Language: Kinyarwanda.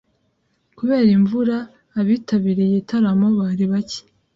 Kubera imvura, abitabiriye igitaramo bari bake.